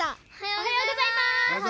おはようございます。